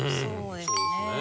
そうですね。